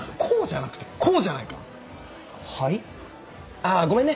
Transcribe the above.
あっごめんね。